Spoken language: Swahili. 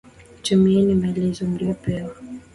Tumieni maelezo mliyopewa.